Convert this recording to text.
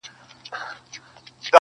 هغه سندري د باروتو او لمبو ويلې.!